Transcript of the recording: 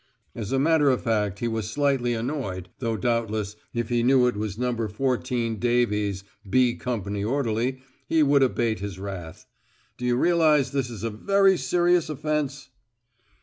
As a matter of fact he was slightly annoyed, though doubtless if he knew it was No. 14 Davies, "B" Company orderly, he would abate his wrath. Do you realise this is a very serious offence?"